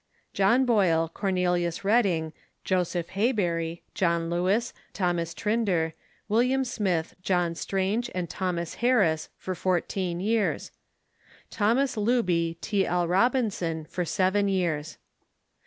John Boyle, Cornelius Reading, Joseph Haybury, John Lewis, Thomas Trinder, William Smith, John Strange, and Thomas Harris, FOR FOURTEEN YEARS. Thomas Luby, T. L. Robinson. FOR SEVEN YEARS.